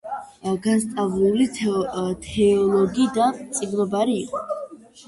განსწავლული თეოლოგი და მწიგნობარი იყო.